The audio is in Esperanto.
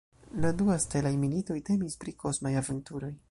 La dua ""Stelaj Militoj"" temis pri kosmaj aventuroj.